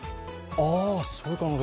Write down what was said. あ、そういう考え？